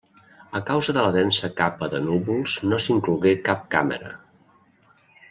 A causa de la densa capa de núvols no s'inclogué cap càmera.